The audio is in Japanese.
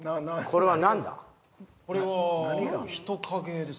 これは人影ですかね。